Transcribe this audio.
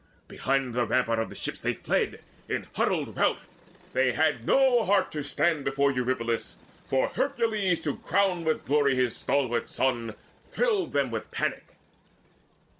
Behind the rampart of the ships they fled In huddled rout: they had no heart to stand Before Eurypylus, for Hercules, To crown with glory his son's stalwart son, Thrilled them with panic.